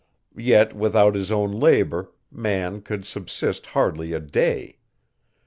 Yet, without his own labour, man could subsist hardly a day.